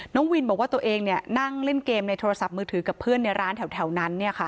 น้องวินบอกว่าตัวเองนั่งเล่นเกมในโทรศัพท์มือถือกับเพื่อนในร้านแถวนั้น